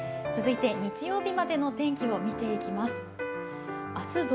続いて日曜日までの天気を見ていきます。